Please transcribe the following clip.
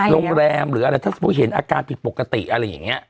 โรงแรมหรืออะไรถ้าสมมุติเห็นอาการผิดปกติอะไรอย่างนี้